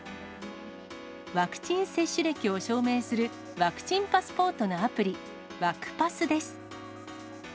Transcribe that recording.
ワクチン接種歴を証明するワクチンパスポートのアプリ、ワクパスです。